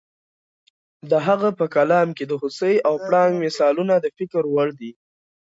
د هغه په کلام کې د هوسۍ او پړانګ مثالونه د فکر وړ دي.